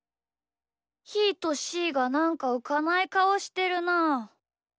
ひーとしーがなんかうかないかおしてるなあ。